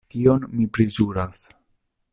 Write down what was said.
Tion mi priĵuras.